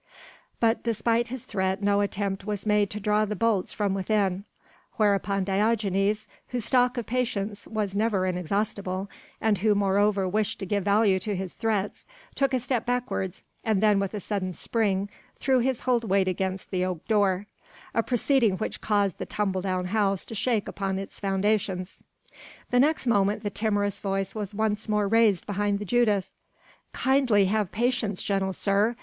But despite his threat, no attempt was made to draw the bolts from within, whereupon Diogenes, whose stock of patience was never inexhaustible, and who moreover wished to give value to his threats, took a step backwards and then with a sudden spring threw his whole weight against the oak door; a proceeding which caused the tumble down house to shake upon its foundations. The next moment the timorous voice was once more raised behind the judas: "Kindly have patience, gentle sir.